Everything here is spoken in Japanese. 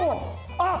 あっ！